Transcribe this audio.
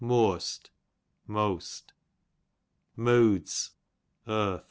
Mooast, most. Moods, earth.